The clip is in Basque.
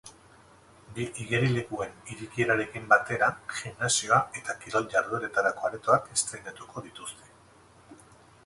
Bi igerilekuen irekierarekin batera, gimnasioa eta kirol jardueretarako aretoak estreinatuko dituzte.